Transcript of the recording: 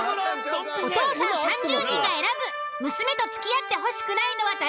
お父さん３０人が選ぶ娘と付き合ってほしくないのは誰？